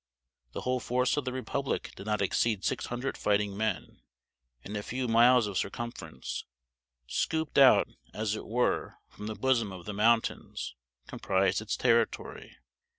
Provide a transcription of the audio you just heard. The whole force of the republic did not exceed six hundred fighting men, and a few miles of circumference, scooped out as it were from the bosom of the mountains, comprised its territory.